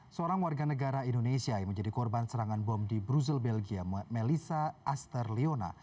seorang warga negara indonesia yang menjadi korban serangan bom di brussel belgia melissa asterliona